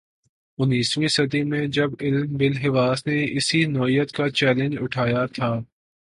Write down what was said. انیسویں صدی میں جب علم بالحواس نے اسی نوعیت کا چیلنج اٹھایا تھا۔